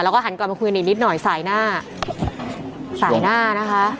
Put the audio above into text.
แล้วก็หันกลับมาคุยกันอีกนิดหน่อยสายหน้าสายหน้านะคะ